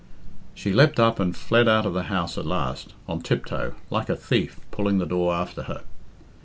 She leapt up and fled out of the house at last, on tiptoe, like a thief, pulling the door after her.